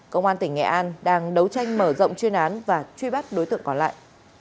công an tỉnh nghệ an đang đấu tranh mở rộng chuyên án và truy bắt đối tượng còn lại